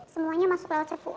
semuanya masuk lewat cepu